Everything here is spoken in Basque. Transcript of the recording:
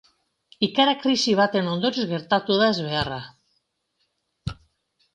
Ikara krisi baten ondorioz geratu da ezbeharra.